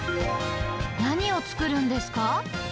何を作るんですか？